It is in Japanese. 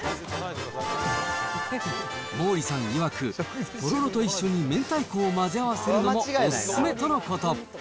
毛利さんいわく、とろろと一緒に明太子を混ぜ合わせるのもお勧めとのこと。